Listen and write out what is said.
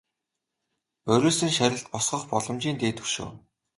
Борисын шарилд босгох боломжийн дээд хөшөө.